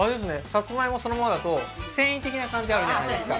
さつまいもそのままだと繊維的な感じあるじゃないですか